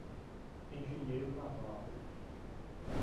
Engenheiro Navarro